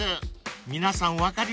［皆さん分かります？］